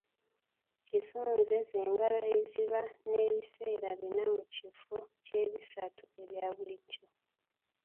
Kisunje ze ngalo eziba n’ebiseera bina mu kifo ky’ebisatu ebya bulijjo.